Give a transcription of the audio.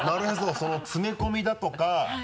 その詰め込みだとかはい。